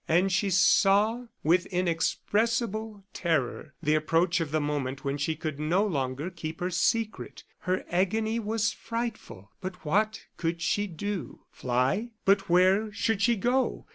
And she saw with inexpressible terror, the approach of the moment when she could no longer keep her secret. Her agony was frightful; but what could she do! Fly? but where should she go?